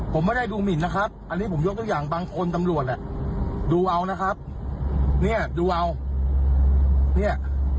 ผมไม่ได้ดูหมินนะครับอันนี้ผมยกตัวอย่างบางคนตำรวจอ่ะดูเอานะครับเนี่ยดูเอาเนี่ย